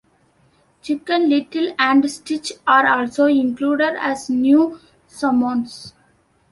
Chicken Little and Stitch are also included as new summons.